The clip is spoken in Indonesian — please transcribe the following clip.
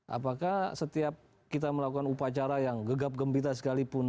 apakah setiap kita melakukan upacara yang gegap gembita sekalipun